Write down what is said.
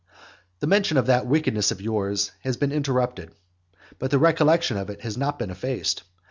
The mention of that wickedness of yours has been interrupted, but the recollection of it has not been effaced.